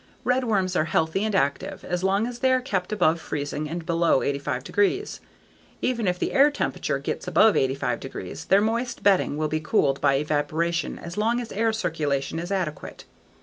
Redworms are healthy and active as long as they are kept above freezing and below 85 degree. Even if the air temperature gets above 85 degree, their moist bedding will be cooled by evaporation as long as air circulation is adequate.